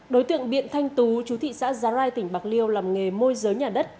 đối tượng biện thanh tú chú thị xã giá rai tỉnh bạc liêu làm nghề môi giới nhà đất